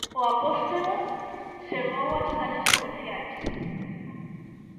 'O Apóstolo' chegou ás salas comerciais.